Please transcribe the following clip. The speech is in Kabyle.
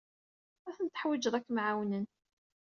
Ad ten-teḥwijed ad kem-ɛawnen.